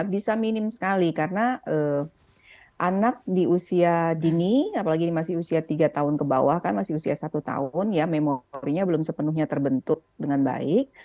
bisa minim sekali karena anak di usia dini apalagi masih usia tiga tahun ke bawah kan masih usia satu tahun ya memorinya belum sepenuhnya terbentuk dengan baik